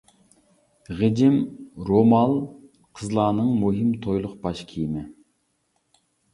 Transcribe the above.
غىجىم رومال قىزلارنىڭ مۇھىم تويلۇق باش كىيىمى.